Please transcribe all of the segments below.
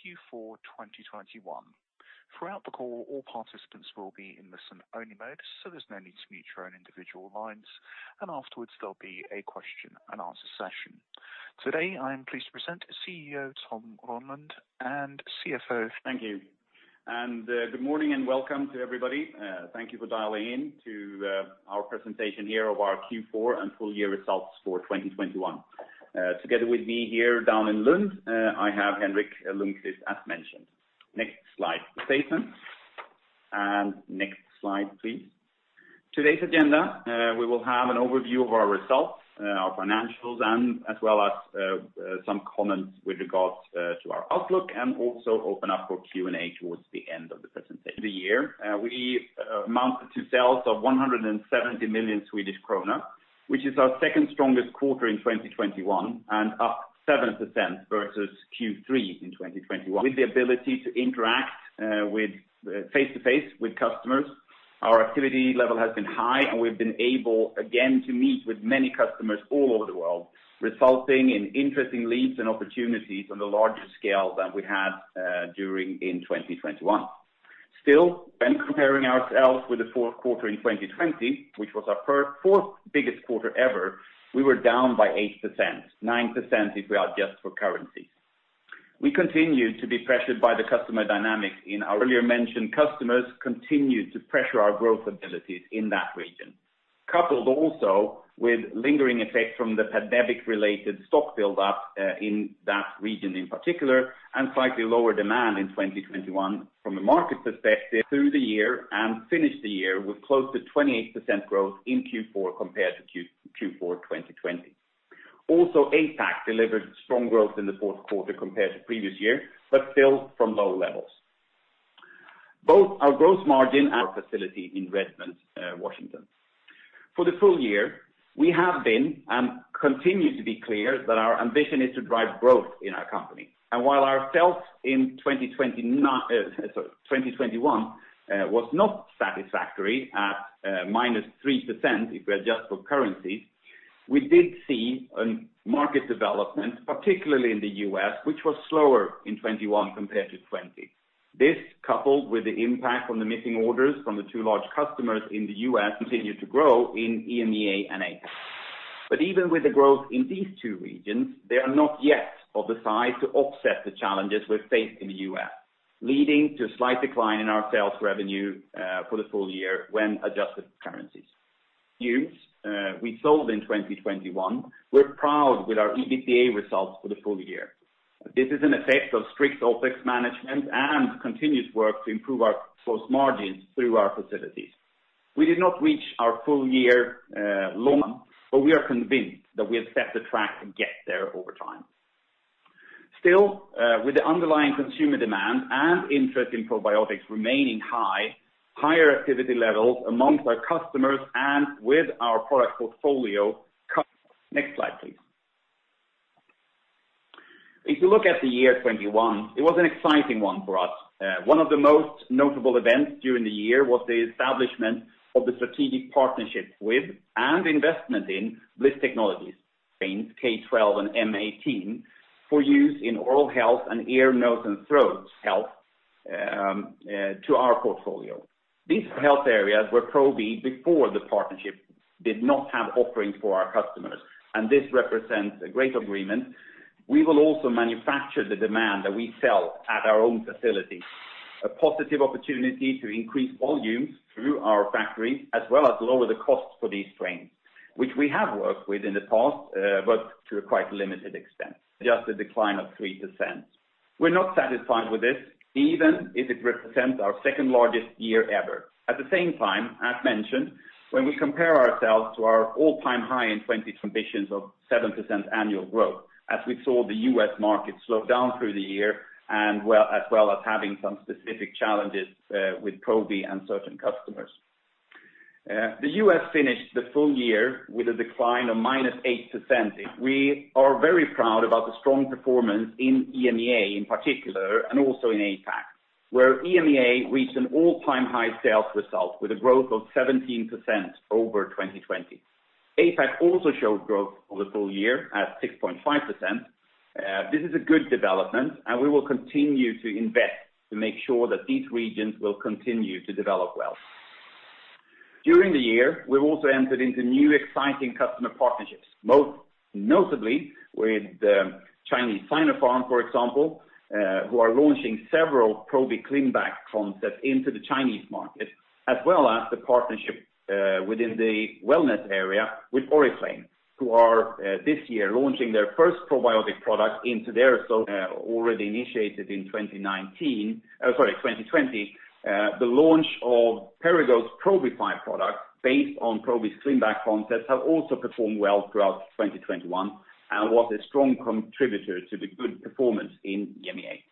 Q4 2021. Throughout the call, all participants will be in listen-only mode, so there's no need to mute your own individual lines. Afterwards, there'll be a question and answer session. Today, I am pleased to present CEO Tom Rönnlund and CFO- Thank you. Good morning and welcome to everybody. Thank you for dialing in to our presentation here of our Q4 and full year results for 2021. Together with me here down in Lund, I have Henrik Lundkvist, as mentioned. Next Slide, please. Next Slide, please. Today's agenda, we will have an overview of our results, our financials, and as well as some comments with regards to our outlook and also open up for Q&A towards the end of the presentation. This quarter, we amounted to sales of 170 million Swedish kronor, which is our second strongest quarter in 2021 and up 7% versus Q3 in 2021. With the ability to interact with face to face with customers, our activity level has been high, and we've been able again to meet with many customers all over the world, resulting in interesting leads and opportunities on the larger scale than we had during 2021. Still, when comparing ourselves with the fourth quarter in 2020, which was our fourth biggest quarter ever, we were down by 8%, 9% if we adjust for currency. We continued to be pressured by the customer dynamics in our earlier mentioned customers, continued to pressure our growth abilities in that region. Coupled also with lingering effects from the pandemic-related stock buildup, in that region in particular, and slightly lower demand in 2021 from a market perspective through the year and finished the year with close to 28% growth in Q4 compared to Q4 2020. APAC delivered strong growth in the fourth quarter compared to previous year, but still from low levels. Both our gross margin and our facility in Redmond, Washington. For the full year, we have been and continue to be clear that our ambition is to drive growth in our company. While our sales in 2021 was not satisfactory at -3% if we adjust for currency, we did see a market development, particularly in the U.S., which was slower in 2021 compared to 2020. This, coupled with the impact on the missing orders from the two large customers in the U.S., continued to grow in EMEA and APAC. Even with the growth in these two regions, they are not yet of the size to offset the challenges we face in the U.S., leading to a slight decline in our sales revenue for the full year when adjusted for currencies. As we sold in 2021, we're proud of our EBITDA results for the full year. This is an effect of strict OpEx management and continuous work to improve our gross margins through our facilities. We did not reach our full year long, but we are convinced that we have set the track to get there over time. Still, with the underlying consumer demand and interest in probiotics remaining high, higher activity levels among our customers and with our product portfolio. Next Slide, please. If you look at the year 2021, it was an exciting one for us. One of the most notable events during the year was the establishment of the strategic partnership with an investment in Blis Technologies, adding strains K12 and M18 for use in oral health and ear, nose and throat health to our portfolio. These health areas that Probi before the partnership did not have offerings for our customers, and this represents a great agreement. We will also manufacture the product that we sell at our own facility. A positive opportunity to increase volumes through our factories, as well as lower the cost for these strains, which we have worked with in the past, but to a quite limited extent. Just a decline of 3%. We're not satisfied with this, even if it represents our second largest year ever. At the same time, as mentioned, when we compare ourselves to our all-time high in 2020 conditions of 7% annual growth, as we saw the U.S. market slow down through the year and as well as having some specific challenges with Probi and certain customers. The U.S. finished the full year with a decline of -8%. We are very proud about the strong performance in EMEA in particular, and also in APAC, where EMEA reached an all-time high sales result with a growth of 17% over 2020. APAC also showed growth on the full year at 6.5%. This is a good development, and we will continue to invest to make sure that these regions will continue to develop well. During the year, we've also entered into new exciting customer partnerships, most notably with Chinese Sinopharm, for example, who are launching several Probi ClinBac concepts into the Chinese market, as well as the partnership within the wellness area with Oriflame, who are this year launching their first probiotic product into their already initiated in 2020, the launch of Perrigo's Probi five product based on Probi's ClinBac concepts have also performed well throughout 2021 and was a strong contributor to the good performance in EMEA.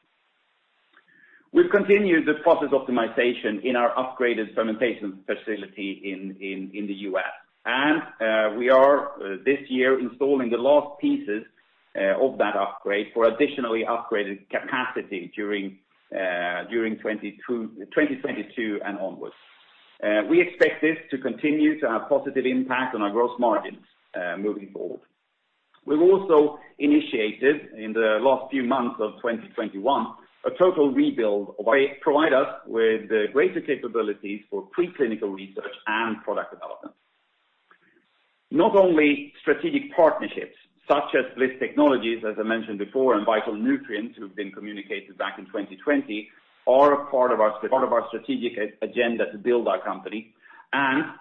We've continued the process optimization in our upgraded fermentation facility in the U.S. We are this year installing the last pieces of that upgrade for additionally upgraded capacity during 2022 and onwards. We expect this to continue to have positive impact on our gross margins moving forward. We've also initiated in the last few months of 2021, a total rebuild where it provide us with greater capabilities for pre-clinical research and product development. Not only strategic partnerships, such as Blis Technologies, as I mentioned before, and Vital Nutrients, who have been communicated back in 2020, are a part of our strategic agenda to build our company.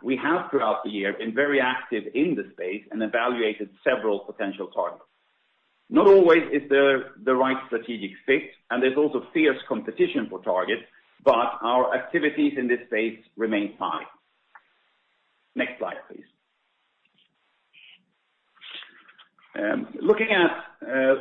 We have throughout the year been very active in the space and evaluated several potential targets. Not always is the right strategic fit, and there's also fierce competition for targets, but our activities in this space remain high. Next Slide, please. Looking at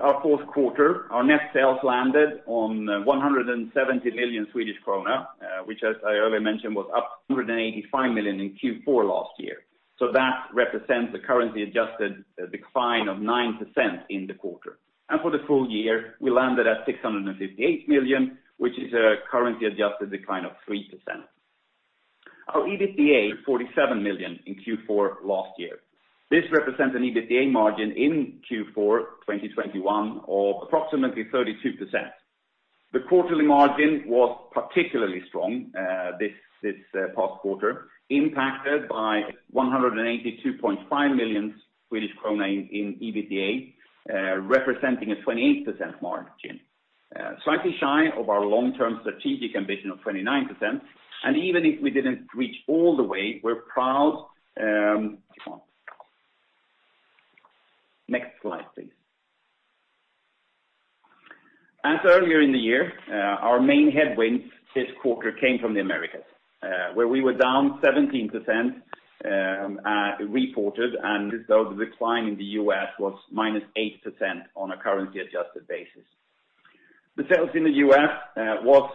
our fourth quarter, our net sales landed on 170 million Swedish krona, which as I earlier mentioned, was up 185 million in Q4 last year. That represents the currency adjusted decline of 9% in the quarter. For the full year, we landed at 658 million, which is a currency adjusted decline of 3%. Our EBITDA, 47 million in Q4 last year. This represents an EBITDA margin in Q4 2021 of approximately 32%. The quarterly margin was particularly strong, this past quarter, impacted by 182.5 million Swedish krona in EBITDA, representing a 28% margin. Slightly shy of our long-term strategic ambition of 29%. Even if we didn't reach all the way, we're proud. Next Slide, please. As earlier in the year, our main headwind this quarter came from the Americas, where we were down 17%, reported, and the decline in the U.S. was -8% on a currency adjusted basis. The sales in the U.S. was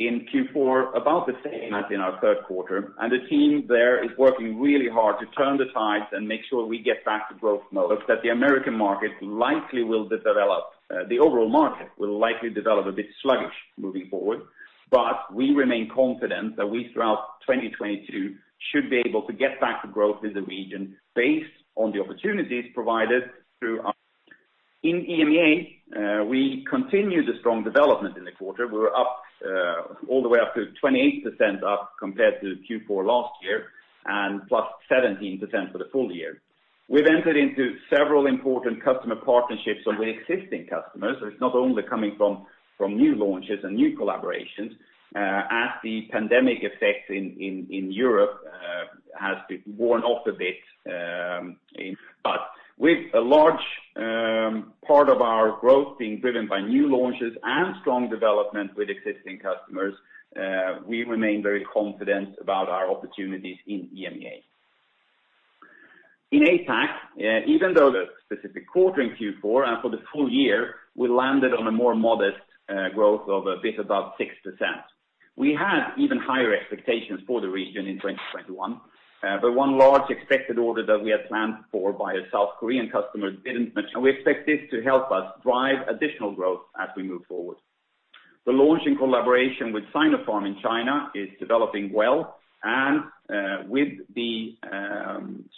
in Q4, about the same as in our third quarter, and the team there is working really hard to turn the tides and make sure we get back to growth mode. The overall market will likely develop a bit sluggish moving forward, but we remain confident that we throughout 2022 should be able to get back to growth in the region based on the opportunities provided through our. In EMEA, we continue the strong development in the quarter. We were up all the way up to 28% up compared to Q4 last year, and plus 17% for the full year. We've entered into several important customer partnerships with existing customers. It's not only coming from new launches and new collaborations as the pandemic effect in Europe has worn off a bit. With a large part of our growth being driven by new launches and strong development with existing customers, we remain very confident about our opportunities in EMEA. In APAC, even though the specific quarter in Q4 and for the full year, we landed on a more modest growth of a bit above 6%. We had even higher expectations for the region in 2021, but one large expected order that we had planned for by a South Korean customer didn't match. We expect this to help us drive additional growth as we move forward. The launch in collaboration with Sinopharm in China is developing well, and with the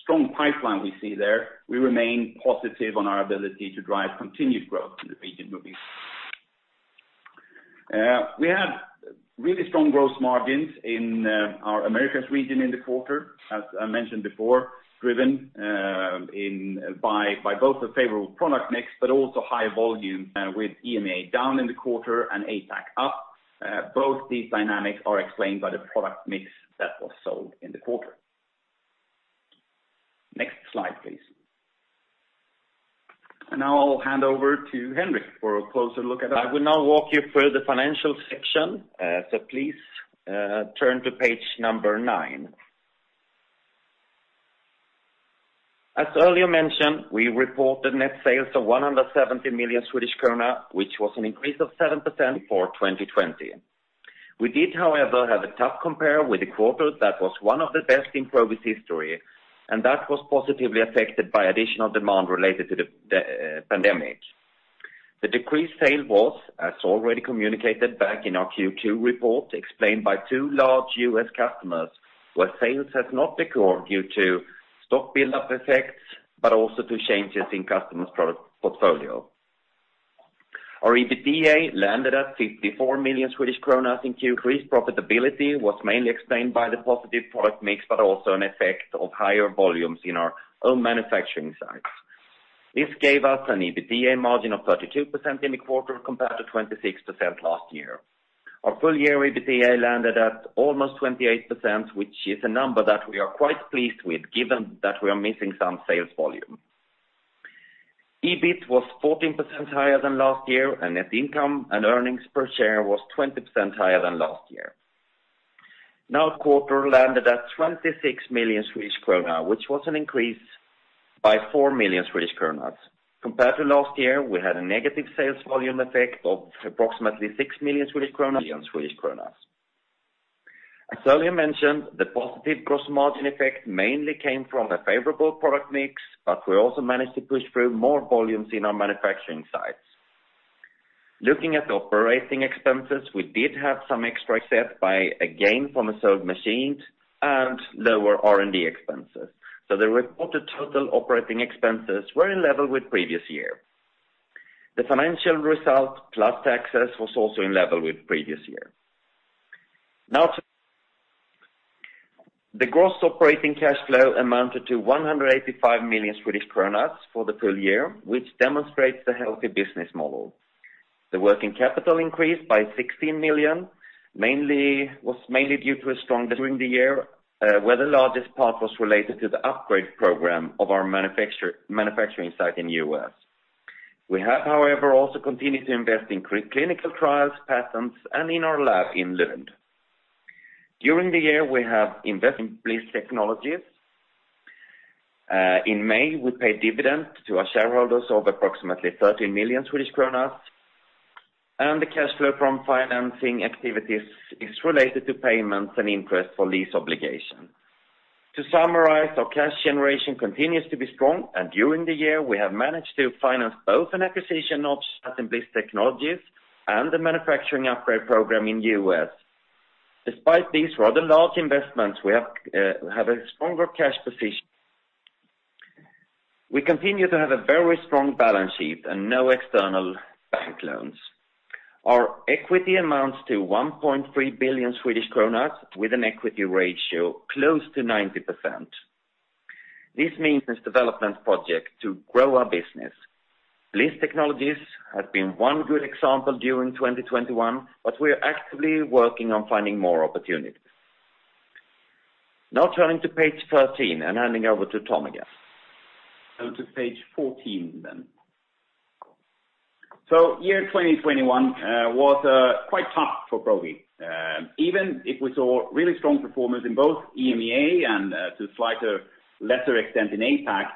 strong pipeline we see there, we remain positive on our ability to drive continued growth in the region moving. We had really strong growth margins in our Americas region in the quarter, as I mentioned before, driven by both a favorable product mix, but also high volume, with EMEA down in the quarter and APAC up. Both these dynamics are explained by the product mix that was sold in the quarter. Next Slide, please. I will now walk you through the financial section, so please, turn to page 9. As earlier mentioned, we reported net sales of 170 million Swedish krona, which was an increase of 7% for 2020. We did, however, have a tough compare with a quarter that was one of the best in Probi's history, and that was positively affected by additional demand related to the pandemic. The decreased sale was, as already communicated back in our Q2 report, explained by two large U.S. customers, where sales has not recovered due to stock build-up effects, but also to changes in customers' product portfolio. Our EBITDA landed at 54 million Swedish kronor in Q. Increased profitability was mainly explained by the positive product mix, but also an effect of higher volumes in our own manufacturing sites. This gave us an EBITDA margin of 32% in the quarter, compared to 26% last year. Our full year EBITDA landed at almost 28%, which is a number that we are quite pleased with, given that we are missing some sales volume. EBIT was 14% higher than last year, and net income and earnings per share was 20% higher than last year. Net income for the quarter landed at 26 million Swedish krona, which was an increase by 4 million Swedish kronor. Compared to last year, we had a negative sales volume effect of approximately 6 million. As earlier mentioned, the positive gross margin effect mainly came from a favorable product mix, but we also managed to push through more volumes in our manufacturing sites. Looking at operating expenses, we did have some extra offset by, again, from the sold machines and lower R&D expenses. The reported total operating expenses were in line with previous year. The financial result plus taxes was also in line with previous year. The gross operating cash flow amounted to 185 million Swedish kronor for the full year, which demonstrates the healthy business model. The working capital increased by 16 million, mainly due to a strong During the year, where the largest part was related to the upgrade program of our manufacturing site in U.S. We have, however, also continued to invest in clinical trials, patents, and in our lab in Lund. During the year, we have invested in Blis Technologies. In May, we paid dividend to our shareholders of approximately 13 million Swedish kronor. The cash flow from financing activities is related to payments and interest for lease obligation. To summarize, our cash generation continues to be strong, and during the year, we have managed to finance both an acquisition of Blis Technologies and the manufacturing upgrade program in U.S. Despite these rather large investments, we have a stronger cash position. We continue to have a very strong balance sheet and no external bank loans. Our equity amounts to 1.3 billion Swedish kronor with an equity ratio close to 90%. This means this development project to grow our business. Blis Technologies has been one good example during 2021, but we are actively working on finding more opportunities. Now turning to page 13 and handing over to Tom again. To page 14 then. Year 2021 was quite tough for Probi. Even if we saw really strong performance in both EMEA and, to a slightly lesser extent in APAC,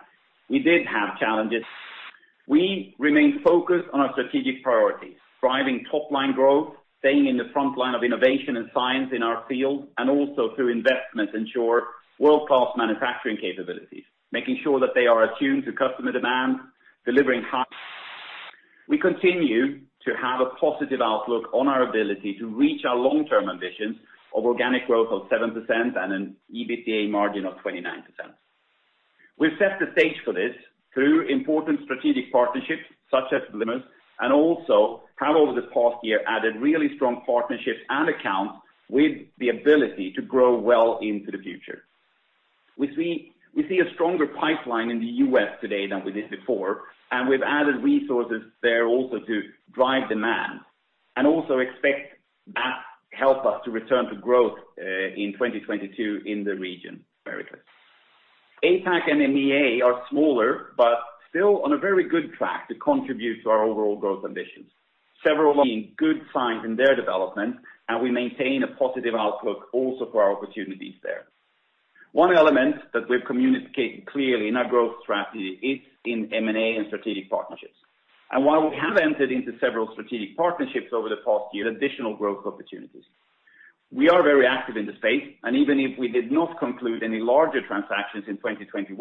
we did have challenges. We remained focused on our strategic priorities, driving top-line growth, staying in the frontline of innovation and science in our field, and also through investments ensure world-class manufacturing capabilities, making sure that they are attuned to customer demand, delivering high. We continue to have a positive outlook on our ability to reach our long-term ambitions of organic growth of 7% and an EBITDA margin of 29%. We've set the stage for this through important strategic partnerships such as Limus, and also have over this past year added really strong partnerships and accounts with the ability to grow well into the future. We see a stronger pipeline in the U.S. today than we did before, and we've added resources there also to drive demand, and also expect that help us to return to growth in 2022 in the region America. APAC and EMEA are smaller, but still on a very good track to contribute to our overall growth ambitions. Several seeing good signs in their development, and we maintain a positive outlook also for our opportunities there. One element that we've communicated clearly in our growth strategy is in M&A and strategic partnerships. While we have entered into several strategic partnerships over the past year, additional growth opportunities. We are very active in the space, and even if we did not conclude any larger transactions in 2021,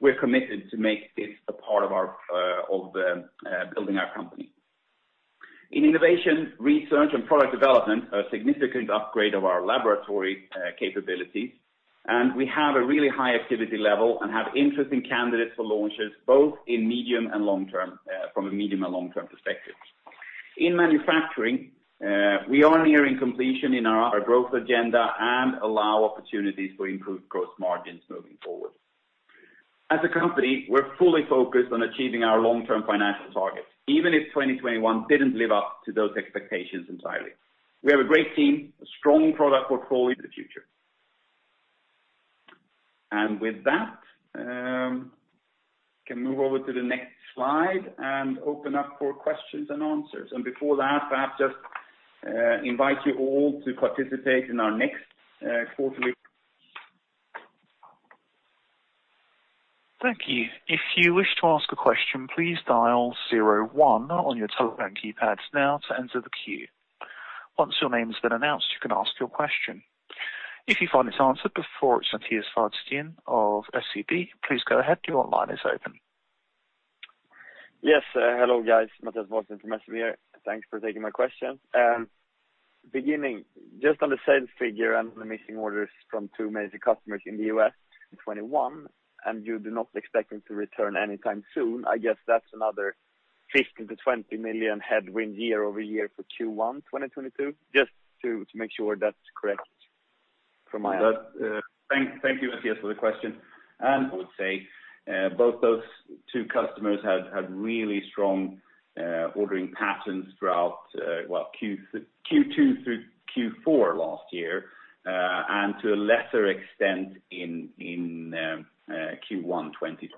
we're committed to make this a part of our building our company. In innovation, research and product development, a significant upgrade of our laboratory capabilities, and we have a really high activity level and have interesting candidates for launches, both in medium and long-term, from a medium and long-term perspective. In manufacturing, we are nearing completion in our growth agenda and allow opportunities for improved growth margins moving forward. As a company, we're fully focused on achieving our long-term financial targets, even if 2021 didn't live up to those expectations entirely. We have a great team, a strong product portfolio in the future. With that, can move over to the next Slide and open up for questions and answers. Before that, I have to invite you all to participate in our next quarterly. Thank you. If you wish to ask a question, please dial 01 on your telephone keypads now to enter the queue. Once your name has been announced, you can ask your question. If you find it's answered before Mattias Vadsten of SEB, please go ahead. Your line is open. Yes. Hello, guys. Mattias Vadsten from SEB here. Thanks for taking my question. Beginning just on the sales figure and the missing orders from two major customers in the U.S. in 2021, and you do not expect them to return anytime soon. I guess that's another 15 million-20 million headwind year-over-year for Q1 2022. Just to make sure that's correct from my end. Thank you, Mattias, for the question. I would say both those two customers had really strong ordering patterns throughout, well, Q2 through Q4 last year, and to a lesser extent in Q1 2022.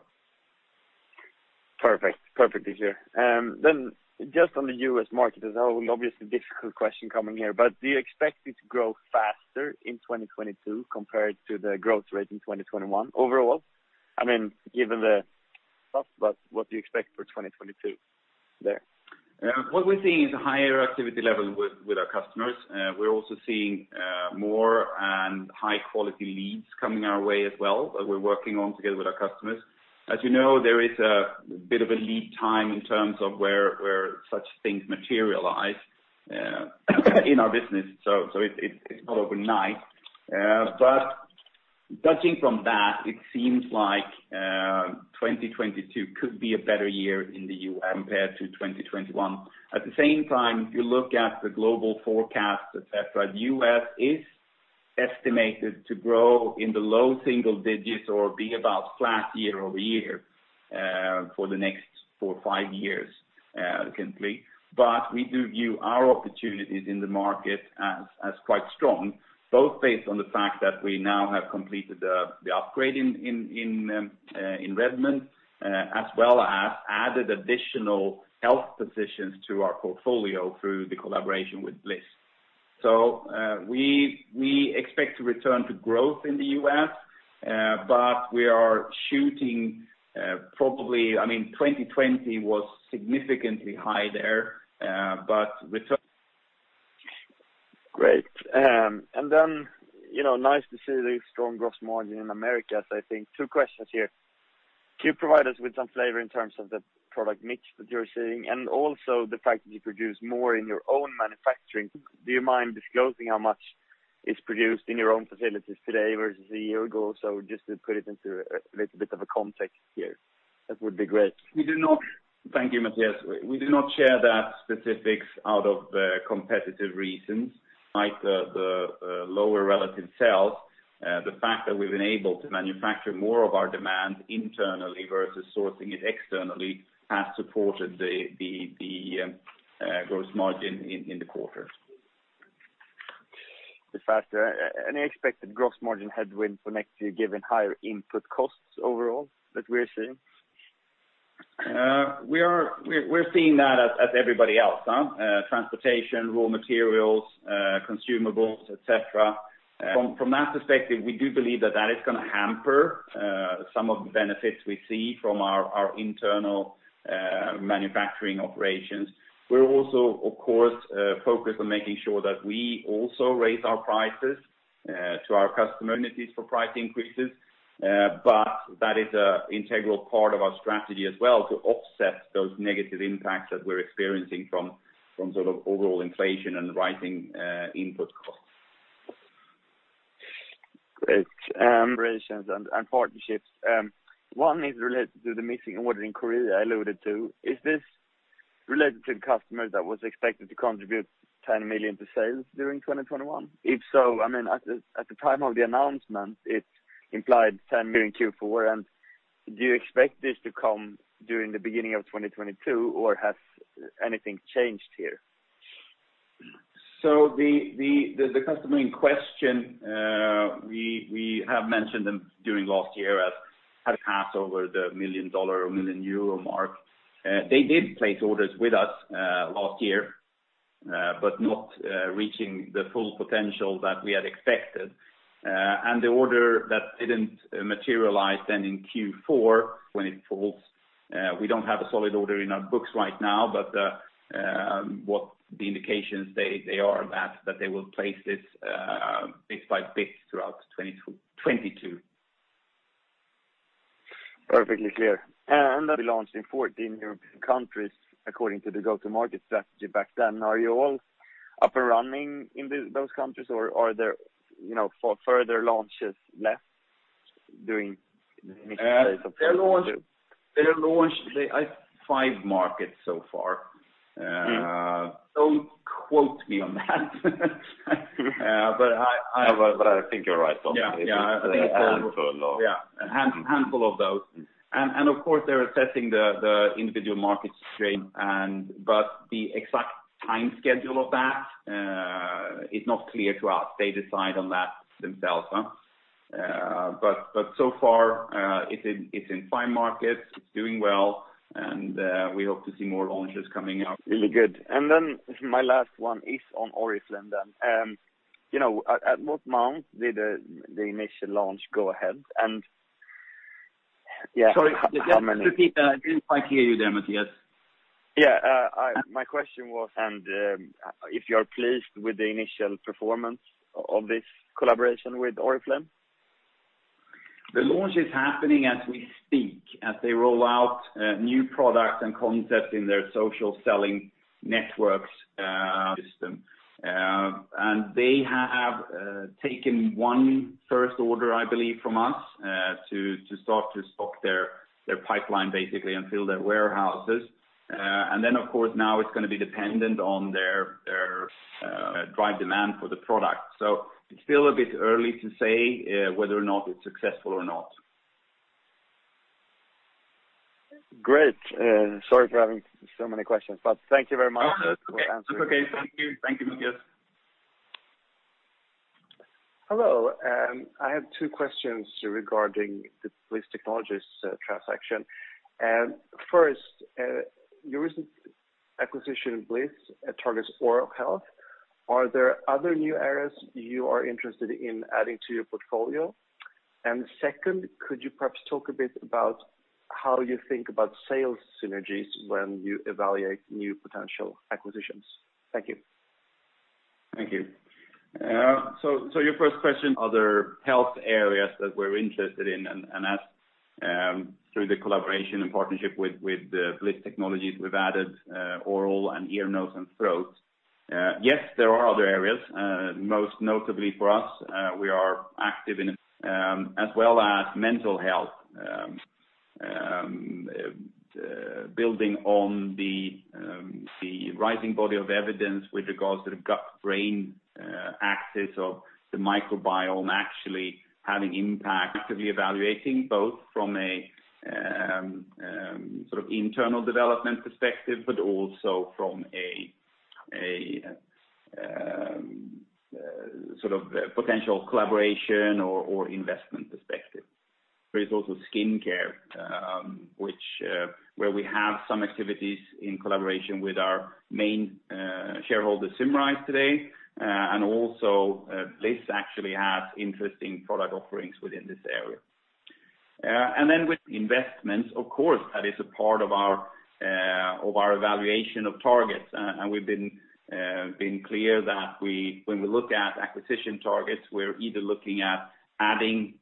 Perfect. Perfect, Isier. Just on the U.S. market as a whole, obviously difficult question coming here, but do you expect it to grow faster in 2022 compared to the growth rate in 2021 overall? I mean, given the stuff, but what do you expect for 2022 there? What we're seeing is a higher activity level with our customers. We're also seeing more and high quality leads coming our way as well, that we're working on together with our customers. As you know, there is a bit of a lead time in terms of where such things materialize in our business, so it's not overnight. Judging from that, it seems like 2022 could be a better year in the U.S. compared to 2021. At the same time, if you look at the global forecast, et cetera, the U.S. is estimated to grow in the low single digits or be about flat year-over-year for the next four or five years. We do view our opportunities in the market as quite strong, both based on the fact that we now have completed the upgrade in Redmond, as well as added additional health positions to our portfolio through the collaboration with Blis. We expect to return to growth in the U.S., but we are shooting, probably. I mean, 2020 was significantly high there, but with- Great. You know, nice to see the strong gross margin in America. I think two questions here. Can you provide us with some flavor in terms of the product mix that you're seeing and also the fact that you produce more in your own manufacturing? Do you mind disclosing how much is produced in your own facilities today versus a year ago? Just to put it into a little bit of a context here. That would be great. Thank you, Matthias. We do not share those specifics out of competitive reasons. Like the lower relative sales, the fact that we've been able to manufacture more of our demand internally versus sourcing it externally has supported the gross margin in the quarter. Any expected gross margin headwind for next year, given higher input costs overall that we're seeing? We're seeing that as everybody else, transportation, raw materials, consumables, et cetera. From that perspective, we do believe that that is gonna hamper some of the benefits we see from our internal manufacturing operations. We're also, of course, focused on making sure that we also raise our prices to our customer needs for price increases. That is an integral part of our strategy as well to offset those negative impacts that we're experiencing from sort of overall inflation and rising input costs. Great. Operations and partnerships. One is related to the missing order in Korea I alluded to. Is this related to the customer that was expected to contribute 10 million to sales during 2021? If so, I mean, at the time of the announcement, it implied 10 million Q4, and do you expect this to come during the beginning of 2022, or has anything changed here? The customer in question, we have mentioned them during last year as had passed over the $1 million or 1 million euro mark. They did place orders with us last year, but not reaching the full potential that we had expected. The order that didn't materialize then in Q4 when it falls, we don't have a solid order in our books right now, but what the indications are that they will place this bit by bit throughout 2022. Perfectly clear. That we launched in 14 European countries, according to the go-to-market strategy back then. Are you all up and running in those countries or are there, you know, further launches left during the They're launched at five markets so far. Don't quote me on that. I I think you're right on that. Yeah. Yeah. I think it's A handful or- Yeah. A handful of those. Of course, they're assessing the individual market stream but the exact time schedule of that is not clear to us. They decide on that themselves, huh. So far, it's in five markets. It's doing well, and we hope to see more launches coming out. Really good. My last one is on Oriflame then. You know, at what month did the initial launch go ahead? Sorry. Just repeat that. I didn't quite hear you there, Mattias. Yeah. My question was if you are pleased with the initial performance of this collaboration with Oriflame? The launch is happening as we speak, as they roll out new products and concepts in their social selling networks system. They have taken one first order, I believe, from us to Start to stock their pipeline, basically, and fill their warehouses. Of course, now it's gonna be dependent on their drive demand for the product. It's still a bit early to say whether or not it's successful or not. Great. Sorry for having so many questions, but thank you very much for answering. It's okay. Thank you. Thank you, Mattias. Hello. I have two questions regarding the Blis Technologies transaction. First, your recent acquisition, Blis, it targets oral health. Are there other new areas you are interested in adding to your portfolio? Second, could you perhaps talk a bit about how you think about sales synergies when you evaluate new potential acquisitions? Thank you. Thank you. Yeah. Your first question, other health areas that we're interested in and as through the collaboration and partnership with Blis Technologies, we've added oral and ear, nose, and throat. Yes, there are other areas, most notably for us, we are active in as well as mental health, building on the rising body of evidence with regards to the gut-brain axis of the microbiome actually having impact to be evaluating both from a sort of internal development perspective, but also from a sort of potential collaboration or investment perspective. There is also skin care, which where we have some activities in collaboration with our main shareholder Symrise today. Also, Blis actually has interesting product offerings within this area. With investments, of course, that is a part of our evaluation of targets. We've been clear that we, when we look at acquisition targets, we're either looking at adding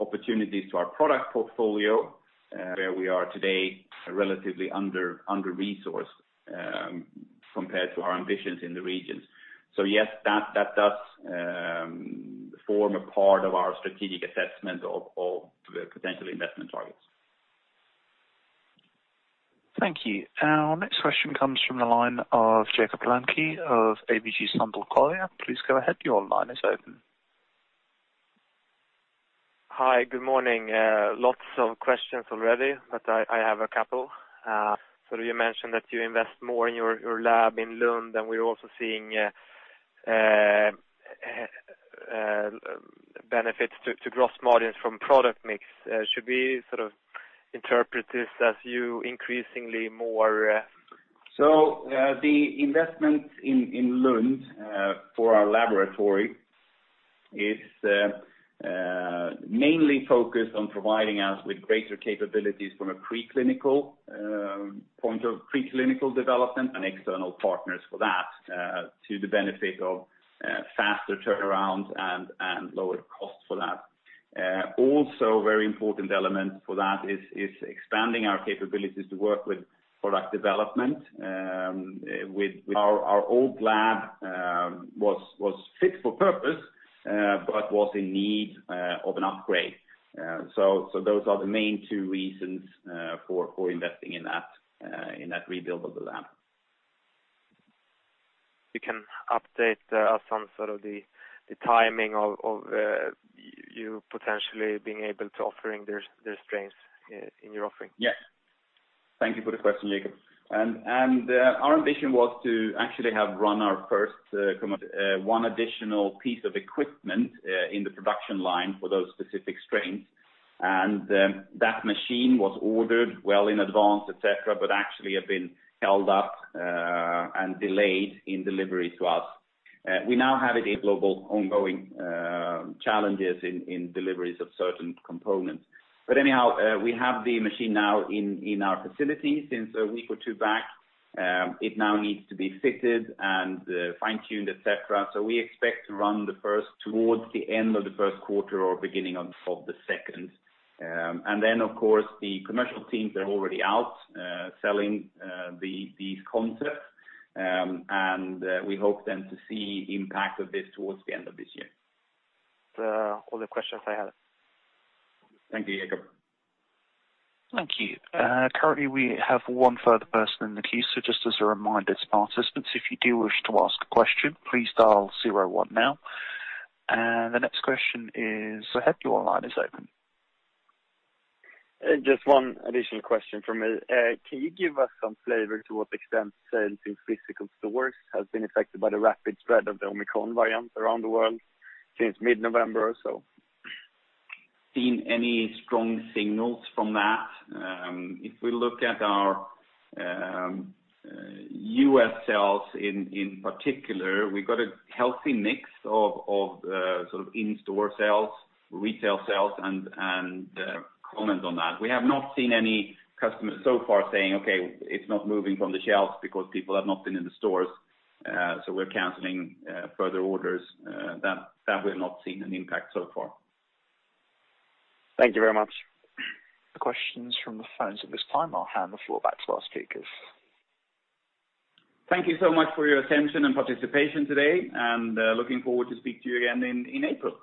opportunities to our product portfolio, where we are today, relatively under-resourced, compared to our ambitions in the regions. Yes, that does form a part of our strategic assessment of the potential investment targets. Thank you. Our next question comes from the line of Jakob Lanke of ABG Sundal Collier. Please go ahead. Your line is open. Hi. Good morning. Lots of questions already, but I have a couple. You mentioned that you invest more in your lab in Lund, and we're also seeing benefits to gross margins from product mix. Should we sort of interpret this as you increasingly more? The investment in Lund for our laboratory is mainly focused on providing us with greater capabilities from a preclinical point of preclinical development and external partners for that to the benefit of faster turnaround and lower cost for that. Also very important element for that is expanding our capabilities to work with product development with our old lab was fit for purpose but was in need of an upgrade. Those are the main two reasons for investing in that rebuild of the lab. You can update some sort of the timing of you potentially being able to offering their strains in your offering? Yes. Thank you for the question, Jakob. Our ambition was to actually have run our first one additional piece of equipment in the production line for those specific strains. That machine was ordered well in advance, et cetera, but actually had been held up and delayed in delivery to us. We now have it despite global ongoing challenges in deliveries of certain components. Anyhow, we have the machine now in our facility since a week or two back. It now needs to be fitted and fine-tuned, et cetera. We expect to run the first towards the end of the first quarter or beginning of the second. Of course, the commercial teams are already out selling the concept. We hope then to see impact of this towards the end of this year. All the questions I had. Thank you, Jakob. Thank you. Currently we have one further person in the queue. So just as a reminder to participants, if you do wish to ask a question, please dial zero one now. The next question is. Go ahead, your line is open. Just one additional question from me. Can you give us some flavor to what extent sales in physical stores has been affected by the rapid spread of the Omicron variant around the world since mid-November or so? seen any strong signals from that. If we look at our U.S. sales in particular, we got a healthy mix of sort of in-store sales, retail sales, and comment on that. We have not seen any customers so far saying, "Okay, it's not moving from the shelves because people have not been in the stores, so we're canceling further orders." That we have not seen an impact so far. Thank you very much. Questions from the phones at this time. I'll hand the floor back to our speakers. Thank you so much for your attention and participation today, and looking forward to speak to you again in April.